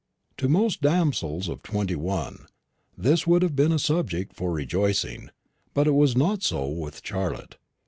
To most damsels of twenty one this would have been a subject for rejoicing; but it was not so with Charlotte.